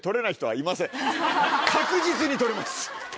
確実に取れます。